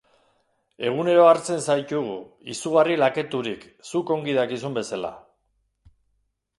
Egunero hartzen zaitugu, izugarri laketurik, zuk ongi dakizun bezala.